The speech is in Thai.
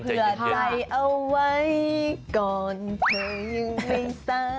เพื่อใจเอาไว้ก่อนเธอยุ่งแบงซ้าย